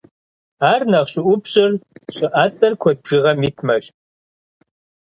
Ар нэхъ щыӏупщӏыр щыӏэцӏэр куэд бжыгъэм итмэщ.